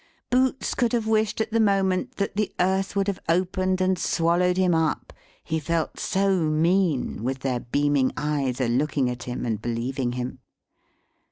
Boots could have wished at the moment that the earth would have opened and swallowed him up, he felt so mean, with their beaming eyes a looking at him, and believing him.